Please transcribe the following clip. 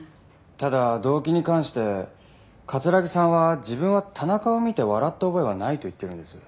ただ動機に関して城さんは自分は田中を見て笑った覚えはないと言ってるんです。